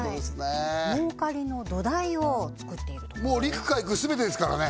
はい儲かりの土台を作っているところもう陸・海・空全てですからね